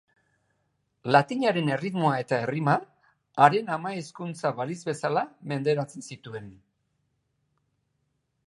Latinaren erritmoa eta errima haren ama-hizkuntza balitz bezala menderatzen zituen.